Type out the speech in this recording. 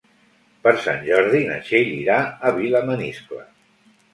Per Sant Jordi na Txell irà a Vilamaniscle.